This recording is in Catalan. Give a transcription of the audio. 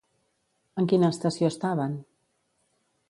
En quina estació estaven?